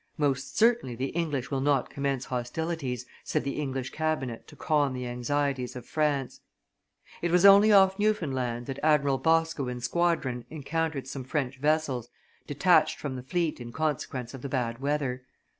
"Most certainly the English will not commence hostilities," said the English cabinet to calm the anxieties of France. It was only off Newfoundland that Admiral Boscawen's squadron encountered some French vessels detached from the fleet in consequence of the bad weather.